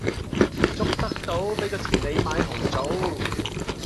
捉得到，俾個錢你買紅棗